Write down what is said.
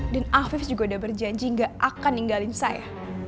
dan afif juga udah berjanji gak akan ninggalin saya